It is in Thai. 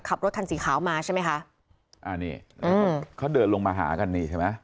ขับรถคันสีขาวมาใช่ไหมคะอ่านี่เขาเดินลงมาหากันนี่ใช่ไหม